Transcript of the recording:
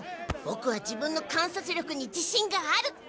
ボクは自分の観察力にじしんがある！